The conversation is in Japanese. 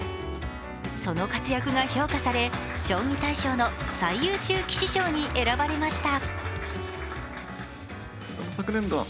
その活躍が評価され、将棋大賞の最優秀棋士賞に選ばれました。